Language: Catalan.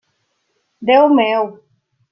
Déu meu!